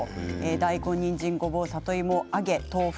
大根、にんじん、ごぼう、里芋お揚げ。